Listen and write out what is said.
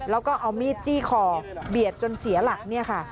แล้วก็เอามีดจี้คอเบียดจนเสียหลักเนี่ยค่ะ